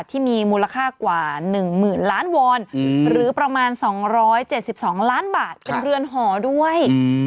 ที่มีมูลค่ากว่า๑๐๐๐ล้านวอนหรือประมาณ๒๗๒ล้านบาทเป็นเรือนหอด้วย